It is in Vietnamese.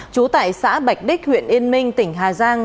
trú tại xã bạch đích huyện yên minh tỉnh hà giang